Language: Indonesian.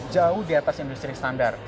jauh di atas industri standar